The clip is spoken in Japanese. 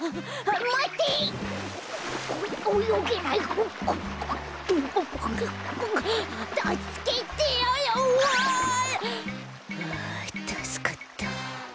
あたすかった。